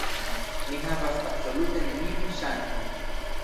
Ni havas absolute neniun ŝancon.